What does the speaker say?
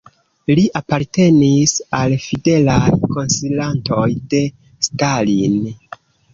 Li apartenis al fidelaj konsilantoj de Stalin.